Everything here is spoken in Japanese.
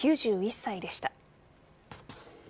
９１歳でした。